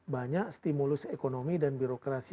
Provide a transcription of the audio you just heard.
banyak stimulus ekonomi dan birokrasi